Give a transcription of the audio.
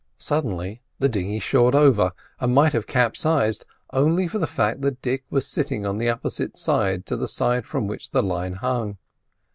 Suddenly the dinghy shored over, and might have capsized, only for the fact that Dick was sitting on the opposite side to the side from which the line hung.